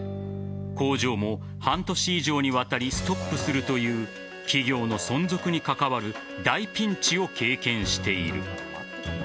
工場も半年以上にわたってストップするという企業の存続に関わる大ピンチを経験している。